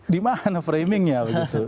dimana framingnya gitu